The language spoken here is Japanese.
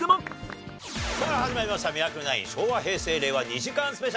さあ始まりました『ミラクル９』昭和平成令和２時間スペシャル。